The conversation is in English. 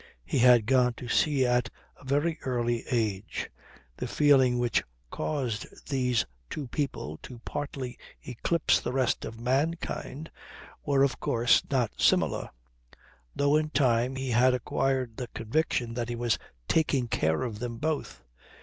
He had gone to sea at a very early age. The feeling which caused these two people to partly eclipse the rest of mankind were of course not similar; though in time he had acquired the conviction that he was "taking care" of them both.